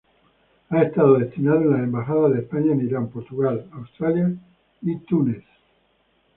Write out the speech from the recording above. Ha estado destinado en las embajadas de España en Irán, Portugal, Australia y Túnez.